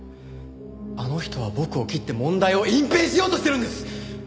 あの人は僕を切って問題を隠蔽しようとしてるんです！